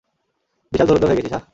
বিশাল ধুরন্ধর হয়ে গিয়েছিস, হাহ?